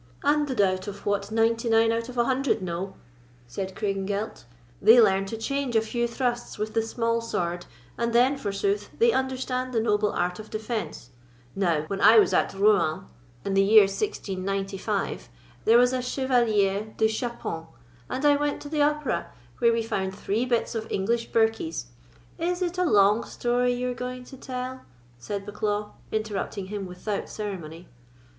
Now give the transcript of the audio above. "And the double of what ninety nine out of a hundred know," said Craigengelt; "they learn to change a few thrusts with the small sword, and then, forsooth, they understand the noble art of defence! Now, when I was at Rouen in the year 1695, there was a Chevalier de Chapon and I went to the opera, where we found three bits of English birkies——" "Is it a long story you are going to tell?" said Bucklaw, interrupting him without ceremony.